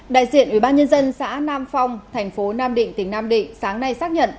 đại diện ủy ban nhân dân xã nam phong thành phố nam định tỉnh nam định sáng nay xác nhận